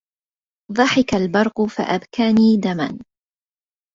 ضحك البرق فأبكاني دما